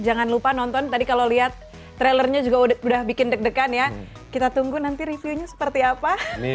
jangan lupa nonton tadi kalau lihat trailernya juga udah bikin deg degan ya kita tunggu nanti reviewnya seperti apa